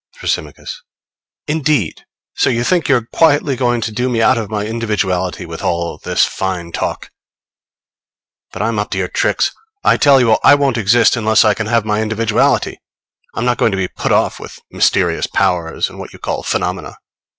Thrasymachos. Indeed! So you think you're quietly going to do me out of my individuality with all this fine talk. But I'm up to your tricks. I tell you I won't exist unless I can have my individuality. I'm not going to be put off with 'mysterious powers,' and what you call 'phenomena.'